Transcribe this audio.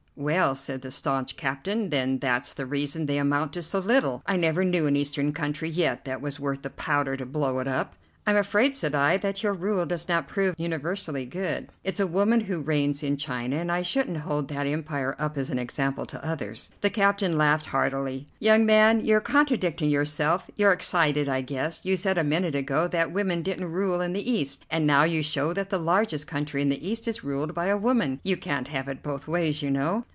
"Well," said the staunch captain, "then that's the reason they amount to so little. I never knew an Eastern country yet that was worth the powder to blow it up." "I'm afraid," said I, "that your rule does not prove universally good. It's a woman who reigns in China, and I shouldn't hold that Empire up as an example to others." The captain laughed heartily. "Young man, you're contradicting yourself. You're excited, I guess. You said a minute ago that women didn't rule in the East, and now you show that the largest country in the East is ruled by a woman. You can't have it both ways, you know."